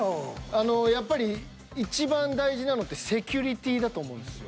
あのやっぱりいちばん大事なのってセキュリティーだと思うんですよ。